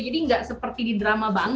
nggak seperti di drama banget